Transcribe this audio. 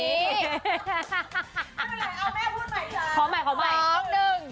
ไม่เป็นไรเอาแม่พูดใหม่ค่ะขอใหม่ขอใหม่สองหนึ่ง